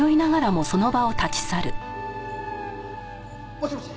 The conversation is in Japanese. もしもし。